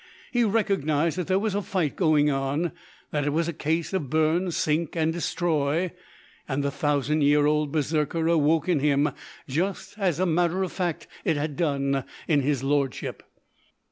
He recognised that there was a fight going on, that it was a case of "burn, sink and destroy," and the thousand year old Berserker awoke in him just, as a matter of fact, it had done in his lordship.